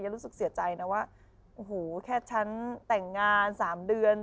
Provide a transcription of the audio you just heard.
รู้สึกเสียใจนะว่าโอ้โหแค่ฉันแต่งงาน๓เดือน